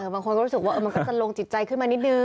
บางคนก็รู้สึกว่ามันก็จะลงจิตใจขึ้นมานิดนึง